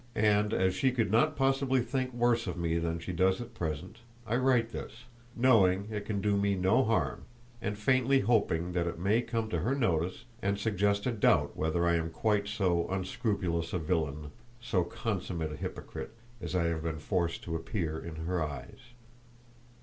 And as she could not possibly think worse of me than she does at present, I write this, knowing it can do me no harm, and faintly hoping that it may come to her notice and suggest a doubt whether I am quite so unscrupulous a villain, so consummate a hypocrite, as I have been forced to appear in her eyes.